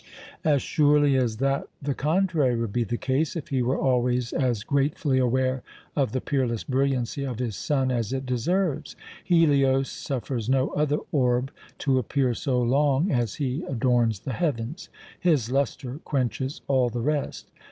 "As surely as that the contrary would be the case if he were always as gratefully aware of the peerless brilliancy of his sun as it deserves. Helios suffers no other orb to appear so long as he adorns the heavens. His lustre quenches all the rest.